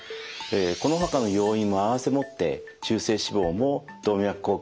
このほかの要因も併せ持って中性脂肪も動脈硬化を悪化させます。